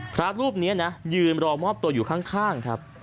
พระรูปนี้นะยืนรอมอบตัวอยู่ข้างครับ